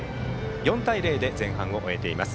４対０で前半を終えています。